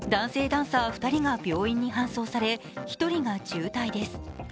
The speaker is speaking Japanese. ダンサー２人が病院に搬送され１人が重体です。